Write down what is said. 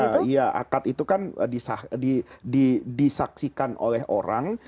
iya akad itu kan disaksikan oleh orang